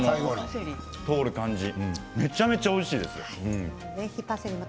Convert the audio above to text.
通る感じめちゃめちゃおいしいです。